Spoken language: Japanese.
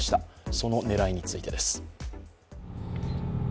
その狙いについてです。